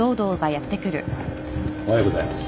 おはようございます。